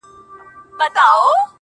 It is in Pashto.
• په خامه خوله پخه وعده ستایمه..